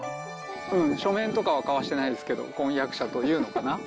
書面とかは交わしてないですけど、婚約者というのかな？